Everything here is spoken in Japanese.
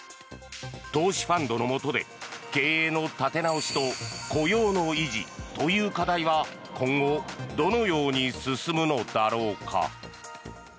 投資ファンドのもとで経営の立て直しと雇用の維持という課題は今後どのように進むのだろうか。